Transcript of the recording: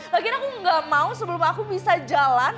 lagian aku gak mau sebelum aku bisa jalan